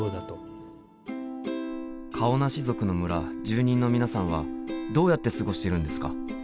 顔なし族の村住人の皆さんはどうやって過ごしているんですか？